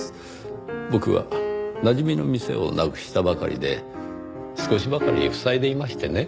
僕はなじみの店をなくしたばかりで少しばかり塞いでいましてね。